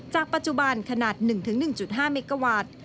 ปัจจุบันขนาด๑๑๕เมกาวัตต์